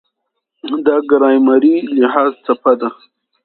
دا ګرامري لحاظ څپه ده.